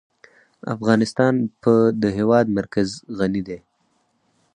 افغانستان په د هېواد مرکز غني دی.